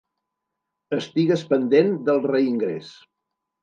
Estigues pendent del reingrés.